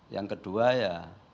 yang kedua ya